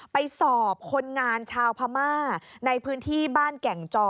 ไปสอบคนงานชาวพม่าในพื้นที่บ้านแก่งจอ